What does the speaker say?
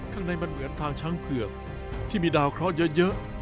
ข้างในมันเหมือนทางช้างเผือกที่มีดาวเคราะห์เยอะ